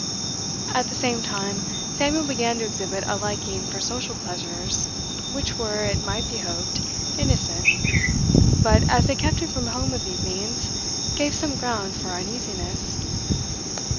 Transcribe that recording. At the same time, Samuel began to exhibit a liking for social pleasures, which were, it might be hoped, innocent, but, as they kept him from home of evenings, gave some ground for uneasiness.